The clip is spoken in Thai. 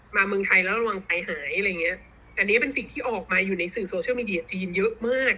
เมืองไทยแล้วระวังภัยหายอะไรอย่างเงี้ยแต่นี่เป็นสิ่งที่ออกมาอยู่ในสื่อโซเชียลมีเดียจีนเยอะมาก